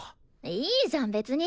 いいじゃん別に。